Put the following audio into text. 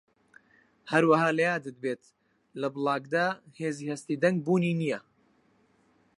هەروەها لەیادت بێت لە بڵاگدا هێزی هەستی دەنگ بوونی نییە